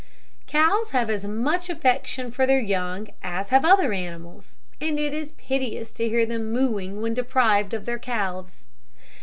Cows have as much affection for their young as have other animals, and it is piteous to hear them mooing when deprived of their calves.